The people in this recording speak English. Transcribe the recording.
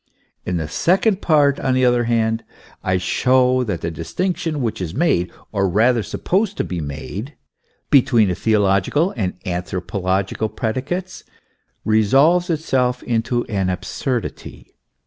In the second part, on the other hand, I show that the distinction which is made, or rather supposed to be made, between the theological and anthropological predicates, resolves itself into an absurdity.